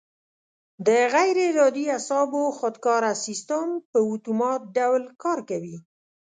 د غیر ارادي اعصابو خودکاره سیستم په اتومات ډول کار کوي.